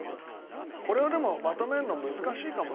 これはでもまとめるの難しいかもな。